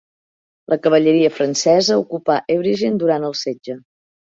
La cavalleria francesa ocupà Ebringen durant el setge.